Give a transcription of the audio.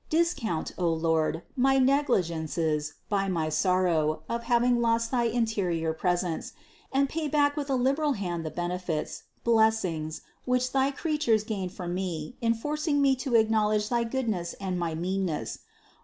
Discount, O Lord, my negli gences by my sorrow of having lost thy interior presence, and pay back with a liberal hand the benefits, blessings, which thy creatures gain for me in forcing me to ac knowledge thy goodness and my meanness.